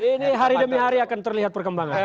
ini hari demi hari akan terlihat perkembangan